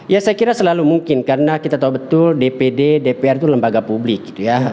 ya saya kira selalu mungkin karena kita tahu betul dpd dpr itu lembaga publik gitu ya